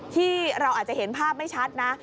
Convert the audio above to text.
ที่เราอาจจะเห็นภาพไม่ชัดนะ